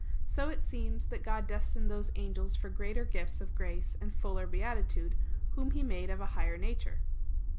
So it seems that God destined those angels for greater gifts of grace and fuller beatitude, whom He made of a higher nature.